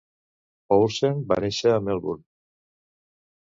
Poulsen va néixer a Melbourne.